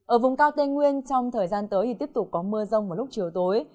ở vùng cao tây nguyên trong thời gian tới thì tiếp tục có mưa rông vào lúc chiều tối